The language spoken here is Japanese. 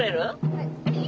はい。